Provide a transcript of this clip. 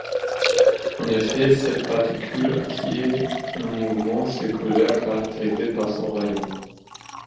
En effet, cette particule acquiert un mouvement circulaire caractérisé par son rayon.